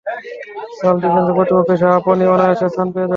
Charles ডিকেন্সের প্রতিপক্ষ হিসেবে আপনি অনায়াসে স্থান পেয়ে যাবেন!